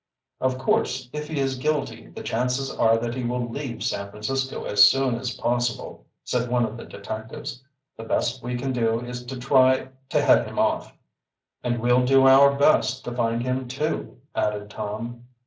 "Of course, if he is guilty the chances are that he will leave San Francisco as soon as possible," said one of the detectives. "The best we can do is to try to head him off." "And we'll do our best to find him, too," added Tom.